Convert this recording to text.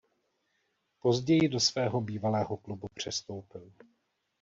Později do svého bývalého klubu přestoupil.